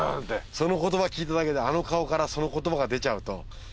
その言葉聞いただけであの顔からその言葉が出ちゃうと。